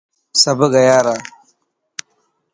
سڀ گيا را.